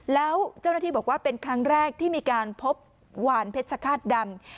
แล้วเจ้าหน้าที่บอกว่าเป็นครั้งแรกที่มีการพบหวานเพชรฆาตดำ